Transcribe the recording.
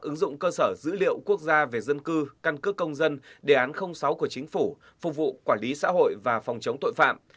ứng dụng cơ sở dữ liệu quốc gia về dân cư căn cước công dân đề án sáu của chính phủ phục vụ quản lý xã hội và phòng chống tội phạm